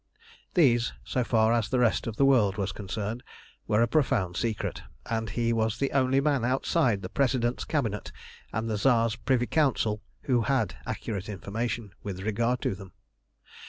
These, so far as the rest of the world was concerned, were a profound secret, and he was the only man outside the President's Cabinet and the Tsar's Privy Council who had accurate information with regard to them.